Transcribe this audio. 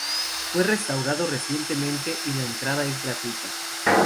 Fue restaurado recientemente y la entrada es gratuita.